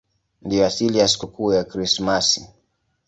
Ndiyo asili ya sikukuu ya Krismasi.